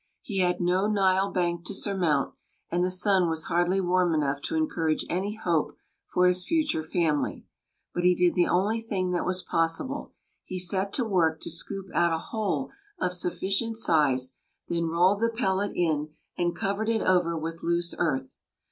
He had no Nile bank to surmount, and the sun was hardly warm enough to encourage any hope for his future family; but he did the only thing that was possible he set to work to scoop out a hole of sufficient size, then rolled the pellet in and covered it over with loose earth.